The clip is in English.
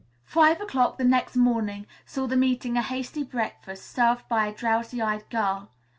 Five o'clock the next morning saw them eating a hasty breakfast, served by a drowsy eyed girl.